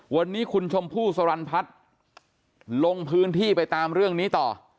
วันนี้คุณชมพู่สรรพัฒน์ลงพื้นที่ไปตามเรื่องนี้ต่อ